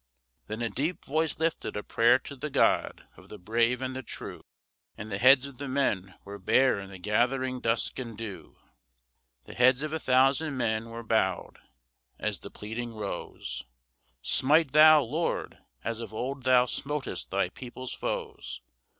Then a deep voice lifted a prayer to the God of the brave and the true, And the heads of the men were bare in the gathering dusk and dew; The heads of a thousand men were bowed as the pleading rose, _Smite Thou, Lord, as of old Thou smotest Thy people's foes!